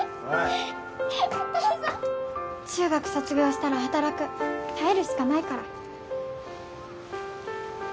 中学卒業したら働く耐えるしかないから